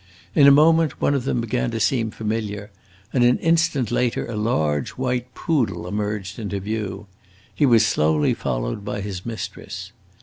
In a moment one of them began to seem familiar, and an instant later a large white poodle emerged into view. He was slowly followed by his mistress.